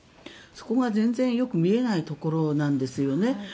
そこが全然よく見えないところなんですよね。